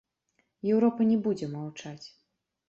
Еўропа не будзе маўчаць.